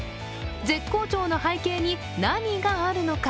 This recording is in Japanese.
絶好調の背景に何があるのか。